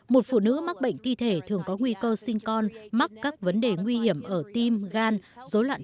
một phụ nữ mắc bệnh thi thể thường có nguy cơ sinh con mắc các vấn đề nguy hiểm ở tim gan dối loạn